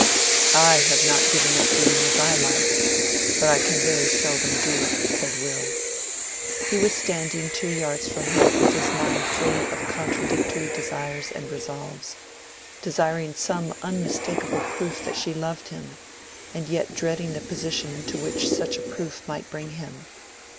"I have not given up doing as I like, but I can very seldom do it," said Will. He was standing two yards from her with his mind full of contradictory desires and resolves—desiring some unmistakable proof that she loved him, and yet dreading the position into which such a proof might bring him.